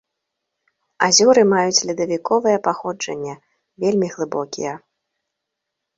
Азёры маюць ледавіковае паходжанне, вельмі глыбокія.